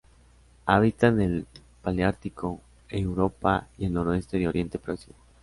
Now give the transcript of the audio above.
Habita en el paleártico: Europa y el noroeste de Oriente Próximo.